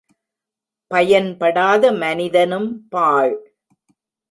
பயன்படாத மனிதனும் பாழ்.